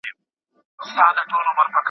ایا بهرني سوداګر ممیز پلوري؟